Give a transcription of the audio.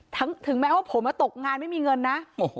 ถึงแม้ว่าผมตกงานไม่มีเงินนะ